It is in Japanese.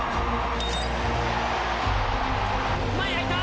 前、空いた！